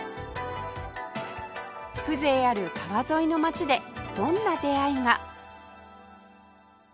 風情ある川沿いの街でどんな出会いが？